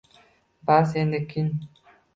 Bas, endi kin